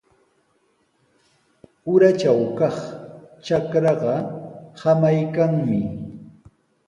Uratraw kaq trakraaqa samaykanmi.